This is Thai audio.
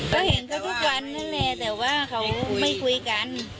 ก็เห็นเขาทุกวันนั่นแหละแต่ว่าเขาไม่คุยกัน